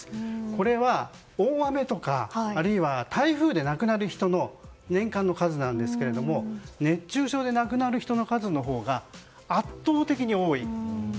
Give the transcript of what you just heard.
左は、大雨とかあるいは台風で亡くなる人の年間の数なんですが熱中症で亡くなる人の数のほうが圧倒的に多い。